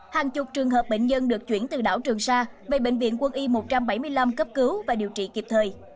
hàng chục trường hợp bệnh nhân được chuyển từ đảo trường sa về bệnh viện quân y một trăm bảy mươi năm cấp cứu và điều trị kịp thời